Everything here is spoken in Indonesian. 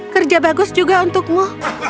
kerja bagus juga untukmu